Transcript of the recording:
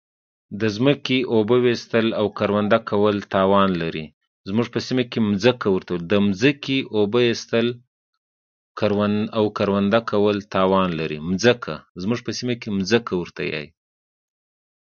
د زمکی اوبه ویستل او کرونده کول تاوان لری